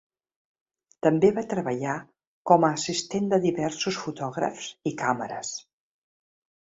També va treballar com a assistent de diversos fotògrafs i càmeres.